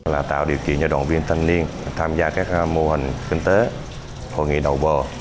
là tạo điều kiện cho đoàn viên thanh niên tham gia các mô hình kinh tế hội nghị đầu bơ